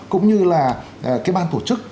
cũng như là cái ban tổ chức